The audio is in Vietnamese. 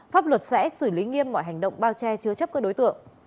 pháp luật sẽ xử lý nghiêm mọi hành động bao che chứa chấp các đối tượng